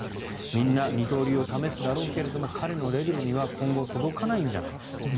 みんな二刀流を試すだろうけれど彼のレベルには今後届かないんじゃないか。